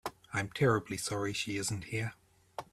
I'm terribly sorry she isn't here.